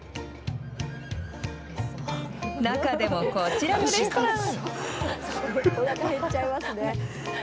中でもこちらのレストラン。